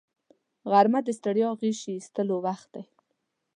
غرمه د ستړیا غشي ایستلو وخت دی